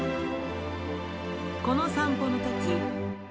この散歩のとき。